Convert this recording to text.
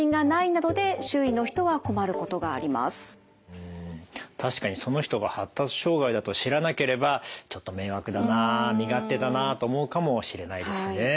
うん確かにその人が発達障害だと知らなければちょっと迷惑だな身勝手だなと思うかもしれないですね。